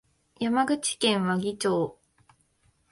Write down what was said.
山口県和木町